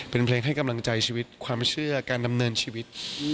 เป็นเพลงให้กำลังใจชีวิตความเชื่อการดำเนินชีวิต